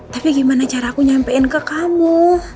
tapi gimana cara aku nyampein ke kamu